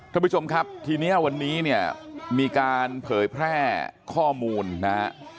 ท่านผู้ชมครับทีนี้วันนี้เนี่ยมีการเผยแพร่ข้อมูลนะฮะ